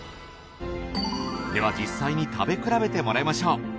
では実際に食べ比べてもらいましょう。